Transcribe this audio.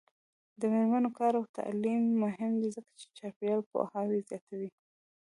د میرمنو کار او تعلیم مهم دی ځکه چې چاپیریال پوهاوی زیاتوي.